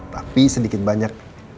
tapi sedikit banyak